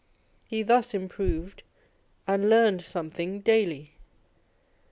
He thus im proved and learned something daily.